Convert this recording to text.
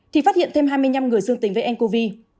thì phát hiện thêm hai mươi năm người dương tính với ncov